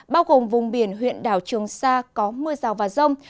bao gồm vùng biển huyện đảo trường sa có mưa rào và rông